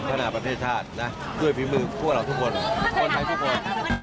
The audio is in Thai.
ปัญหาประเทศชาตินะด้วยพิมพ์คุณเราทุกคนคนชายทุกคน